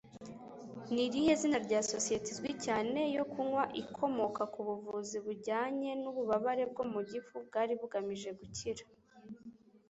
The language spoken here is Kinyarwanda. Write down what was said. Ni irihe zina rya Sosiyete izwi cyane yo kunywa ikomoka ku buvuzi bujyanye n'ububabare bwo mu gifu bwari bugamije gukira